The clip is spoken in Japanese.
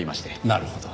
なるほど。